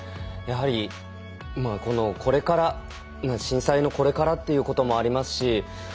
やはりこれから震災のこれからということもありますし